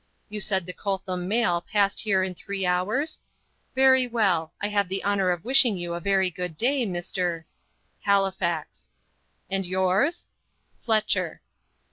You said the Coltham mail passed here in three hours? Very well. I have the honour of wishing you a very good day, Mr. " "Halifax." "And yours?" "Fletcher."